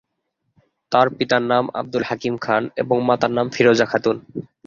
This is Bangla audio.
তার পিতার নাম আব্দুল হাকিম খান, এবং মাতার নাম ফিরোজা খাতুন।